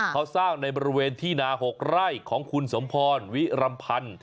เขาสร้างในบริเวณที่นา๖ไร่ของคุณสมพรวิรัมพันธ์